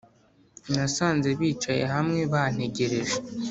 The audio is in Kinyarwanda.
nasanze bicaye hamwe bantegereje